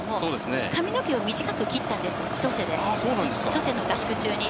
髪の毛を短く切ったんです、千歳の合宿中に。